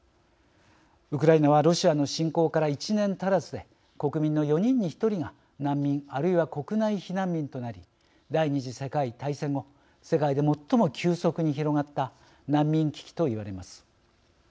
ウクライナはロシアの侵攻から１年足らずで国民の４人に１人が難民あるいは国内避難民となり第２次世界大戦後世界で最も急速に広がった難民危機と言われます。